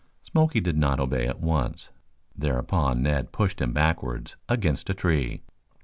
Smoky did not obey at once. Thereupon Ned pushed him backwards against a tree.